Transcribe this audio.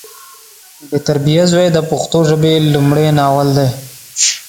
بې تربیه زوی د پښتو ژبې لمړی ناول دی